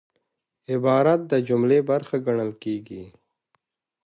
عبارت د جملې برخه ګڼل کېږي.